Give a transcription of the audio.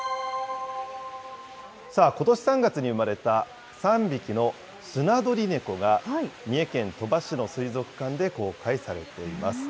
ことし３月に生まれた３匹のスナドリネコが、三重県鳥羽市の水族館で公開されています。